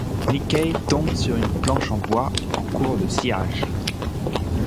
Mickey tombe sur une planche en bois en cours de sciage.